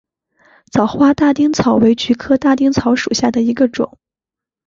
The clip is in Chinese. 早花大丁草为菊科大丁草属下的一个种。